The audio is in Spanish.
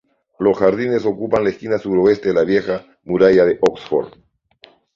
Los jardines ocupan la esquina sureste de la vieja muralla de Oxford.